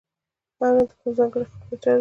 او نه د کوم ځانګړي قوم پورې تړلی دی.